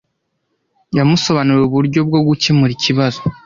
Yamusobanuriye uburyo bwo gukemura ikibazo.